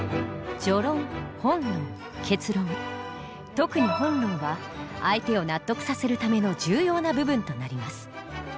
特に本論は相手を納得させるための重要な部分となります。